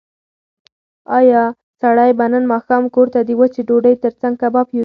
ایا سړی به نن ماښام کور ته د وچې ډوډۍ تر څنګ کباب یوسي؟